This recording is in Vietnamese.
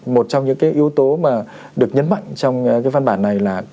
một trong những yếu tố được nhấn mạnh trong văn bản này là